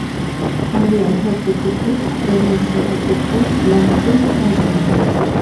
Але гэты тупік апынуўся тупіком для ўсёй краіны.